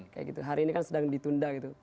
kayak gitu hari ini kan sedang ditunda gitu